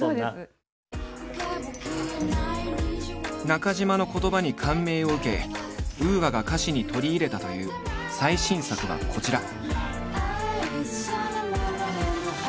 中島の言葉に感銘を受けＵＡが歌詞に取り入れたという最新作はこちら。